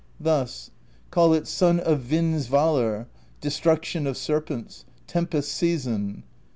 Thus: call it Son of Vindsvalr, Destruction of Serpents, Tempest Season.